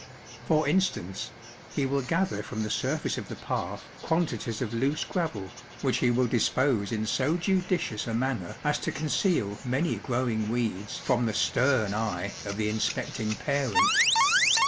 For instance, he will gather from the surface of the path quantities of loose gravel, which he will dispose in so judicious a manner as to conceal many growing weeds from the stern eye of the inspecting parent.